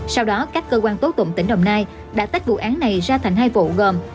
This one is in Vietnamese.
sau đó các cơ quan tố tụng tỉnh đồng nai đã tách vụ án này ra thành hai vụ gồm